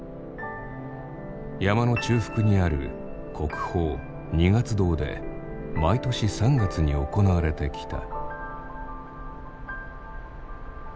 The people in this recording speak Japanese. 山の中腹にある国宝二月堂で毎年３月に行われてきた。